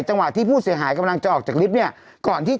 จังหวะที่ผู้เสียหายกำลังจะออกจากลิฟต์เนี่ยก่อนที่